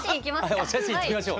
お写真いってみましょう。